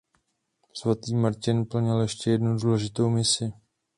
Svatý Martin plnil ještě jednu důležitou misi.